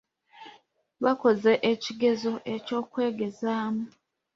Baakoze ekigezo eky'okwegezaamu.